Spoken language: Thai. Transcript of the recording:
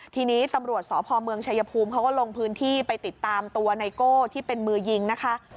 ทีนี้ตำรวจสพเมืองชายภูมิเขาก็ลงพื้นที่ไปติดตามตัวไนโก้ที่เป็นมือยิงนะคะ